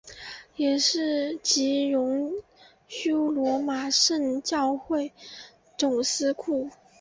也是及荣休罗马圣教会总司库。